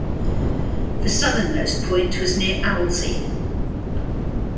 The southernmost point was near Alzey.